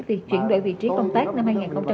vì chuyển đổi vị trí công tác năm hai nghìn một mươi bảy